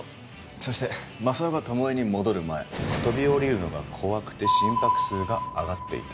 そしてマサオが巴に戻る前飛び降りるのが怖くて心拍数が上がっていた。